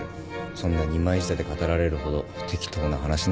そんな二枚舌で語られるほど適当な話なんですよ。